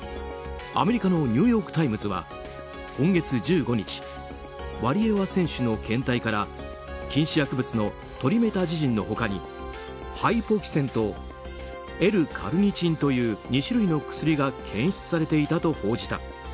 アメリカのニューヨーク・タイムズは今月１５日ワリエワ選手の検体から禁止薬物のトリメタジジンの他にハイポキセンとＬ‐カルニチンという２種類の薬が検出されていたと報じた。